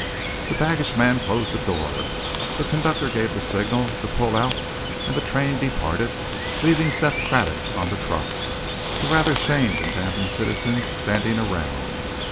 The baggage man closed the door, the conductor gave the signal to pull out, and the train departed, leaving Seth Craddock on the truck, the rather shamed and dampened citizens standing around.